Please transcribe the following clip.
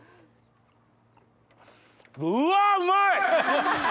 うわうまい！